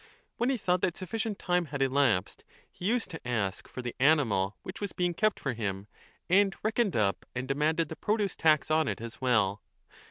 When he thought that sufficient time had elapsed, he used to ask for the animal which was being kept for him, and reckoned up and demanded the produce tax on it as well.